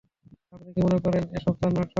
আপনি কি মনে করেন এসব তার নাটক?